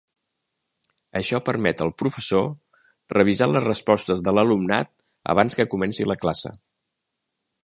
Això permet al professor revisar les respostes de l'alumnat abans que comenci la classe.